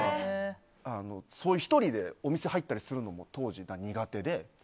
１人でお店に入ったりするのも当時、苦手で。